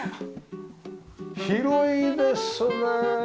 広いですね。